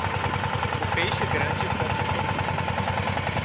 O peixe grande come o menino.